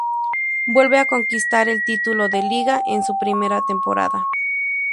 Vuelve a conquistar el título de Liga en su primera temporada.